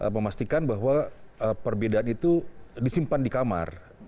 memastikan bahwa perbedaan itu disimpan di kamar